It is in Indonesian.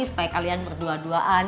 supaya kalian berdua duaan